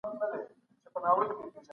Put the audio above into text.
په هماغه شپه افغانان اصفهان ته ننوتل.